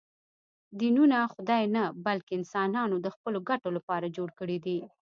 دینونه خدای نه، بلکې انسانانو د خپلو ګټو لپاره جوړ کړي دي